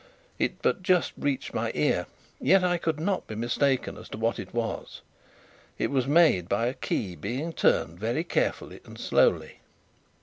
It but just reached my ear, yet I could not be mistaken as to what it was. It was made by a key being turned very carefully and slowly.